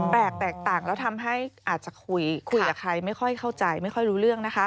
แตกแตกต่างแล้วทำให้อาจจะคุยกับใครไม่ค่อยเข้าใจไม่ค่อยรู้เรื่องนะคะ